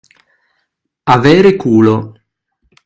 Avere culo.